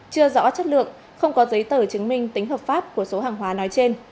chưa rõ chất lượng không có giấy tờ chứng minh tính hợp pháp của số hàng hóa nói trên